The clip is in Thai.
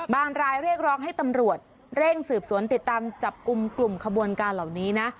รายเรียกร้องให้ตำรวจเร่งสืบสวนติดตามจับกลุ่มกลุ่มขบวนการเหล่านี้นะ